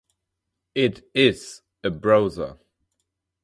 It "is" a browser.